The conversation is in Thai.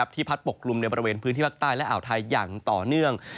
พัดปกกลุ่มในบริเวณพื้นที่ภาคใต้และอ่าวไทยอย่างต่อเนื่อง